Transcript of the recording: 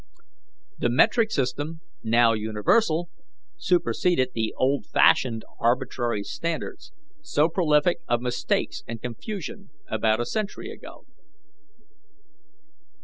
"The metric system, now universal, superseded the old fashioned arbitrary standards, so prolific of mistakes and confusion, about a century ago.